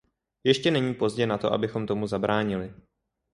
Ještě není pozdě na to, abychom tomu zabránili.